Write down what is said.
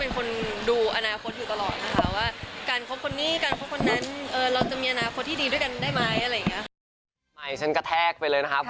เขาบอกว่าอยากได้เป็นลูกสัตว์ไทยด้วยซ้ำ